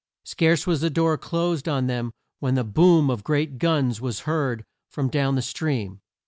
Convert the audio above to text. Scarce was the door closed on them when the boom of great guns was heard from down the stream.